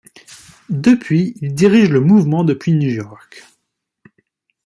Depuis, ils dirigent le mouvement depuis New York.